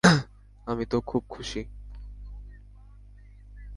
আমি তো খুব খুশি।